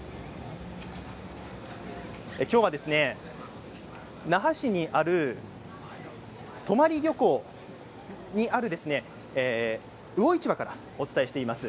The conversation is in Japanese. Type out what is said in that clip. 今日は那覇市にある泊漁港にある魚市場からお伝えしています。